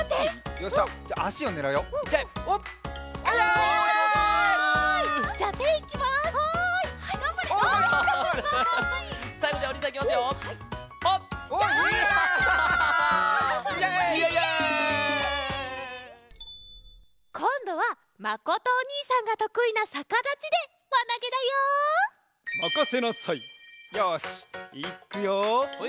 よしいくよ。